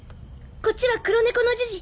こっちは黒猫のジジ。